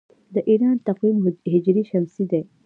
د ایران تقویم هجري شمسي دی.